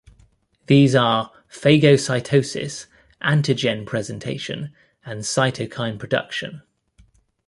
These are phagocytosis, antigen presentation, and cytokine production.